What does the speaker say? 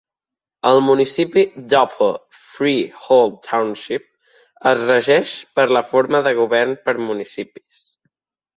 El municipi d'Upper Freehold Township es regeix per la forma de govern per municipis.